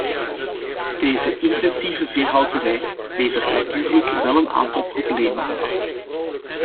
Deze intensieve veehouderij levert natuurlijk wel een aantal problemen op.